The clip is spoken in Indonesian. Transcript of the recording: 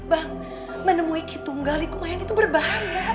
bang menemui kitungga di kumayan itu berbahaya